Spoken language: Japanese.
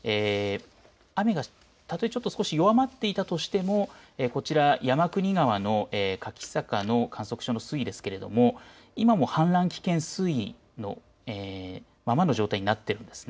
雨がたとえちょっと少し弱まっていたとしてもこちら山国川の柿坂の観測所の水位ですが今も氾濫危険水位のままの状態となっているんです。